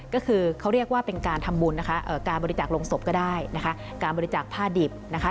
ก็คือเขาเรียกว่าเป็นการทำบุญนะคะการบริจาคลงศพก็ได้นะคะการบริจาคผ้าดิบนะคะ